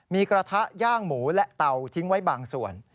มีกระทะย่างหมูและเตาทิ้งไว้บางส่วน